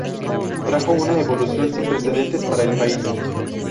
Trajo una evolución sin precedentes para el país".